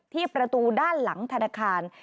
ที่ประตูด้านหลังธนาคาร